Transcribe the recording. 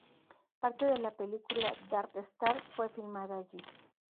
Parte de la película "Dark Star" fue filmada allí.